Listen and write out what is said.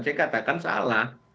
saya katakan salah